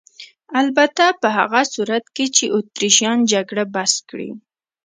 البته په هغه صورت کې چې اتریشیان جګړه بس کړي.